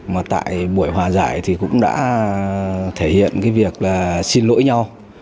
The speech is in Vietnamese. mà tại buổi hòa giải thì cũng đã thể hiện cái việc là xin lỗi nhau